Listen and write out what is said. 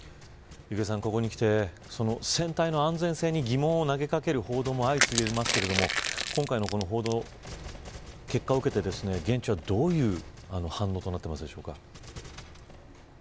ここにきて、船体の安全性に疑問を投げ掛ける報道も相次いでいますが、今回の報道結果を受けて、現地はどういう反応になっていますか。